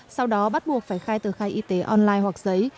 sau đó bắt buộc phải khai tờ khai y tế online hoặc giấy